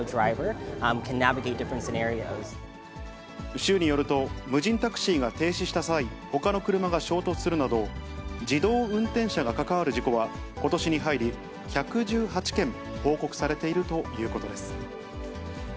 州によると、無人タクシーが停止した際、ほかの車が衝突するなど、自動運転車が関わる事故は、ことしに入り１１８件報告されているということです。